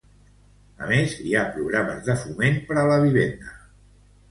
A més, hi ha programes de foment per a la vivenda.